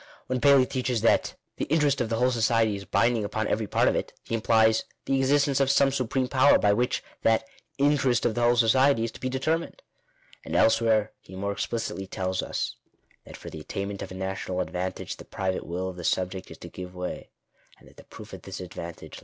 When Paley teaches that " the interest of the whole society is binding upon every part of it," he implies the existence of some supreme power by which that "interest of the whole society" is to be determined. And elsewhere he more explicitly tells us, that for the attainment of a national advantage the private will of the subject is to give way; and that "the proof of this advantage ■ See Timet of October IS, 1840. Digitized by VjOOQIC INTRODUCTION.